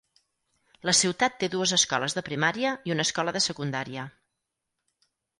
La ciutat té dues escoles de primària i una escola de secundària.